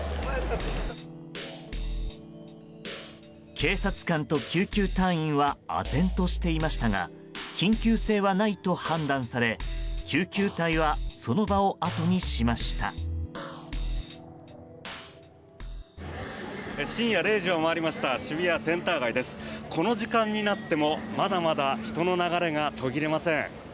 警察官と救急隊員はあぜんとしていましたが緊急性はないと判断され救急隊はその場をあとにしました。